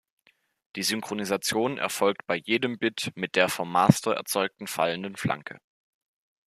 Die Synchronisation erfolgt bei jedem Bit mit der vom Master erzeugten fallenden Flanke.